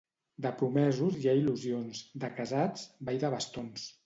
De promesos hi ha il·lusions; de casats, ball de bastons.